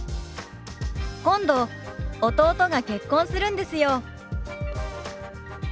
「今度弟が結婚するんですよ」。